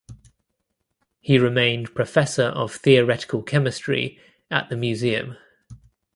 He remained Professor of Theoretical Chemistry at the Museum.